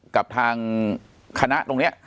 กับทางคณะตรงนี้